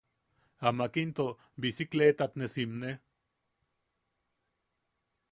Amak into bisikleetat ne simne.